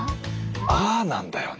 ああなんだよね。